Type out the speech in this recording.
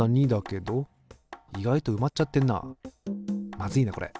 まずいなこれ。